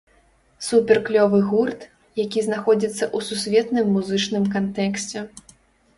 Супер-клёвы гурт, які знаходзіцца ў сусветным музычным кантэксце.